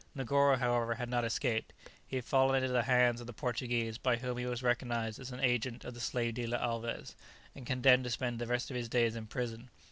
Negoro, however, had not escaped; he had fallen into the hands of the Portuguese, by whom he was recognized as an agent of the slave dealer Alvez, and condemned to spend the rest of his days in prison.